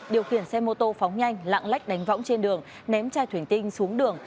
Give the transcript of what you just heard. điều khiển xe mô tô phóng nhanh lạng lách đánh võng trên đường ném chai thủy tinh xuống đường